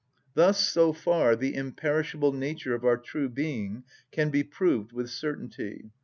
Thus so far the imperishable nature of our true being can be proved with certainty.